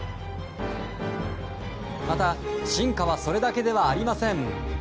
また進化はそれだけではありません。